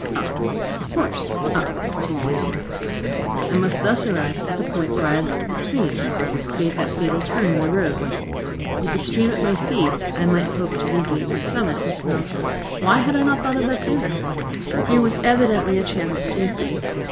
Up, of course; up continually. I must thus arrive at the point where I had left the stream, that fatal turn in the road. With the stream at my feet, I might hope to regain the summit of Snæfell. Why had I not thought of that sooner? Here was evidently a chance of safety.